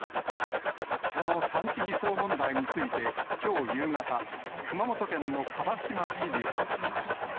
その産地偽装問題について、きょう夕方、熊本県の蒲島知事は。